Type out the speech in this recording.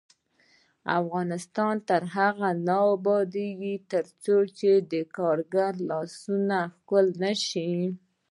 افغانستان تر هغو نه ابادیږي، ترڅو د کارګر لاسونه ښکل نشي.